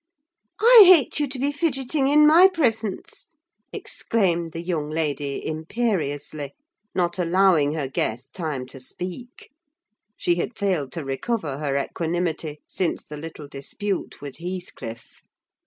"I hate you to be fidgeting in my presence," exclaimed the young lady imperiously, not allowing her guest time to speak: she had failed to recover her equanimity since the little dispute with Heathcliff.